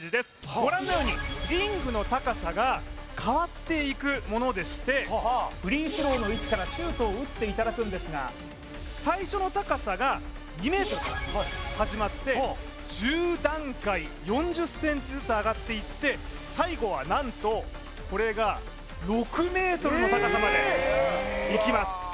ご覧のようにリングの高さが変わっていくものでしてフリースローの位置からシュートを打っていただくんですが最初の高さが２ｍから始まって１０段階４０ｃｍずつ上がっていって最後は何とこれが６ｍの高さまでいきます